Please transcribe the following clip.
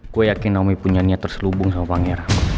gue yakin nami punya niat terselubung sama pangeran